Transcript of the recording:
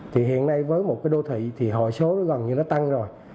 thì hiện nay với một đô thị thì hệ số gần như nó tăng rồi